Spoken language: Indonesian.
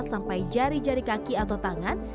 sampai jari jari kaki atau tangan